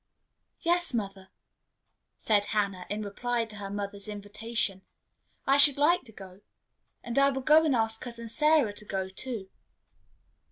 "Yes, mother," said Hannah, in reply to her mother's invitation, "I should like to go; and I will go and ask Cousin Sarah to go too."